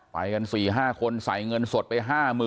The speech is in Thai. ไปกัน๔๕คนใส่เงินสดไป๕๐๐๐